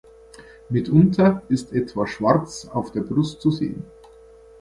Mitunter ist etwas Schwarz auf der Brust zu sehen.